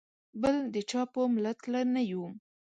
بل د چا په مله تله نه یو.